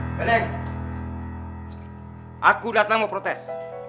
boleh aku datang mau protes